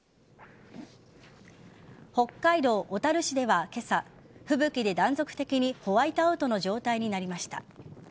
北海道小樽市では今朝吹雪で断続的にホワイトアウトの状態になりました。